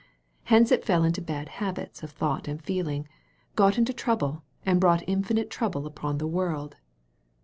Hence it fell into bad habits of thought and feeling, got into trouble, and brought infinite trouble upon the world."